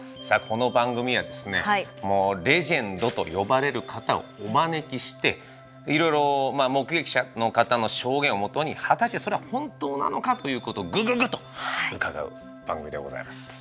さあこの番組はですねもうレジェンドと呼ばれる方をお招きしていろいろ目撃者の方の証言をもとに果たしてそれは本当なのかということをグググッと伺う番組でございます。